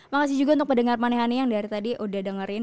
makasih juga untuk pendengar manehani yang dari tadi udah dengerin